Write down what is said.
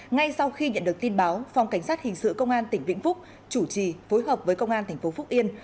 ngay sau khi nhận được tin báo phòng cảnh sát hình sự công an tỉnh vĩnh phúc chủ trì phối hợp với công an tp phúc yên